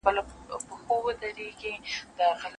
سرونه رغړي ویني وبهیږي